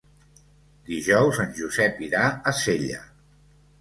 Dijous en Josep irà a Sella.